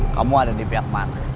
kamu ada di pihak mana